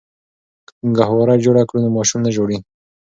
که ګهواره جوړه کړو نو ماشوم نه ژاړي.